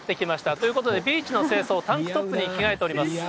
ということで、ビーチの正装、タンクトップに着替えております。